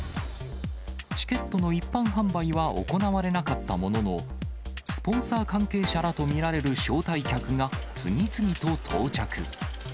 チケットの一般販売は行われなかったものの、スポンサー関係者らと見られる招待客が次々と到着。